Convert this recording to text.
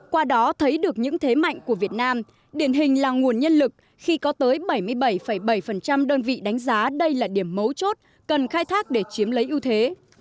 qua đó thấy được những thế mạnh của việt nam điển hình là nguồn nhân lực khi có tới bảy mươi bảy bảy đơn vị đánh giá đây là điểm mấu chốt cần khai thác để chiếm lấy ưu thế